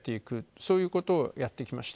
そういうことをやってきました。